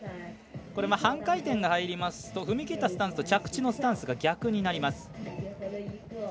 半回転が入りますと踏み切ったスタンスと着地のスタンスが逆になります。